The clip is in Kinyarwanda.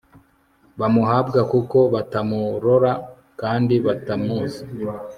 bamuhabwa kuko batamurora kandi batamuzi